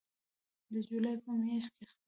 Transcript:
د جولای په میاشت کې خپریږي